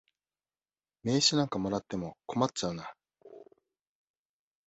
名刺なんかもらっても困っちゃうな。